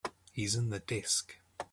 He's in the desk.